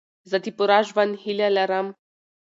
زه د پوره ژوند هیله لرم.